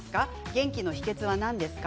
元気の秘けつは何ですか？